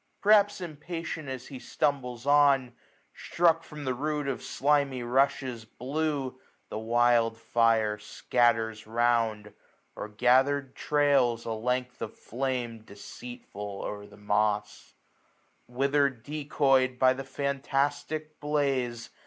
Perhaps impatient as he stumbles on. Struck from the root of slimy rushes, blue. The wild fire scatters round; or gathered trails 1150 A length of flame deceitful o'er the moss : Whither decoy'd by the fantastic blaze.